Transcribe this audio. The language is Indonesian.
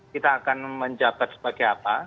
kita akan menjabat sebagai apa